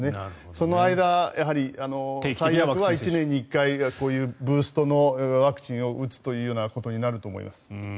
その間、ワクチンは１年に１回こういうブーストのワクチンを打つということになると思います。